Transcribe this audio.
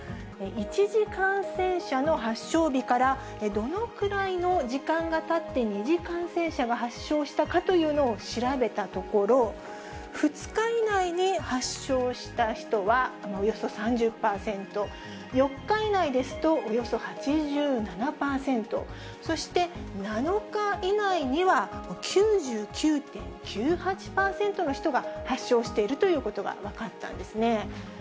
一次感染者の発症日から、どのくらいの時間がたって二次感染者が発症したかというのを調べたところ、２日以内に発症した人はおよそ３０％、４日以内ですと、およそ８７％、そして７日以内には、９９．９８％の人が発症しているということが分かったんですね。